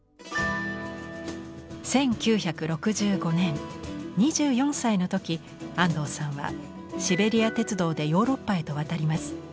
１９６５年２４歳の時安藤さんはシベリア鉄道でヨーロッパへと渡ります。